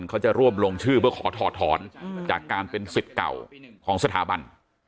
เขาจะร่วมลงชื่อเพื่อขอถอดถอนจากการเป็นสิทธิ์เก่าของสถาบัน